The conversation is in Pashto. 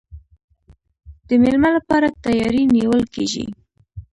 د میلمه لپاره تیاری نیول کیږي.